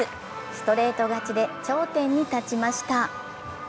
ストレート勝ちで頂点に立ちました。